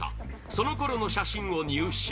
そのころの写真を入手